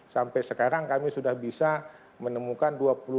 sampai sekarang kami sudah bisa menemukan